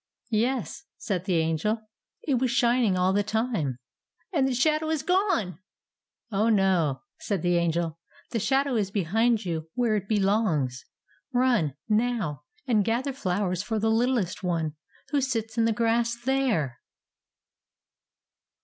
"Yes," said the Angel; "it was shining all the time." "And the shadow is gone!" "Oh, no!" said the Angel; "the shadow is behind you, where it belongs. Run, now, and gather flowers for the littlest one, who sits in the grass there!"